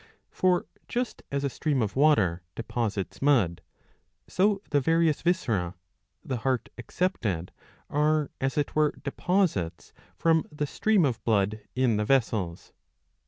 For just as a stream of water deposits mud, so the various viscera, the heart excepted,'"' are, as it were, deposits from the stream of blood in the vessels.